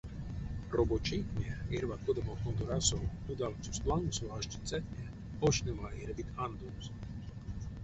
Робочейтне, эрьва кодамо конторасо удалксост лангсо аштицятне оштнева эрявить андомс?